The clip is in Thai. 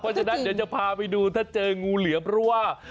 เพราะฉะนั้นเดี๋ยวจะพาไปดูถ้าเจองูเหลือมเพราะว่า